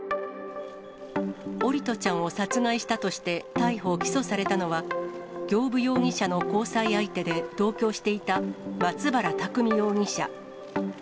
桜利斗ちゃんを殺害したとして逮捕・起訴されたのは行歩容疑者の交際相手で同居していた松原拓海容疑者。